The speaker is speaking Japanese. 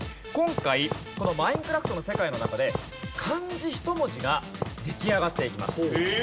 今回この『マインクラフト』の世界の中で漢字１文字が出来上がっていきます。